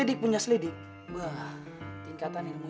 tenang tidak akan gagal